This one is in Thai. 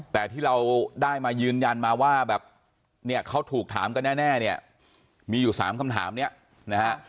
แต่ที่เราได้มายืนยันมาว่าแบบเนี่ยเขาถูกถามกันแน่เนี่ยมีอยู่๓คำถามเนี่ยนะฮะ